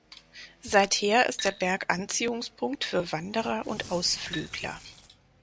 Seither ist der Berg Anziehungspunkt für Wanderer und Ausflügler.